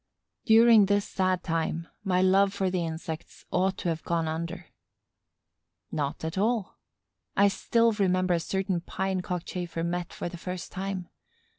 During this sad time, my love for the insects ought to have gone under. Not at all. I still remember a certain Pine Cockchafer met for the first time.